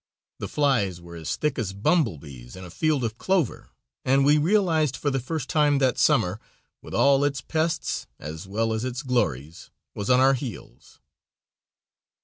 The flies were as thick as bumblebees in a field of clover, and we realized for the first time that summer, with all its pests, as well as its glories, was on our heels.